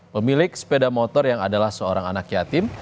pemilik sepeda motor yang adalah seorang anak yatim